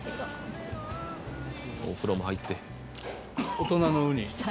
大人のウニ。